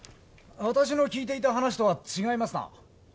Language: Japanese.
私の聞いていた話とは違いますな。